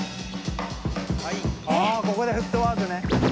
あここでフットワークね。